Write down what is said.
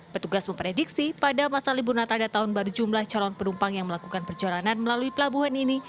petugas memprediksi pada masa libur natal dan tahun baru jumlah calon penumpang yang melakukan perjalanan melalui pelabuhan ini